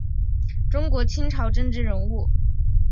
中国清朝政治人物。